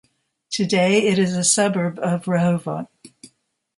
Today, it is a suburb of Rehovot.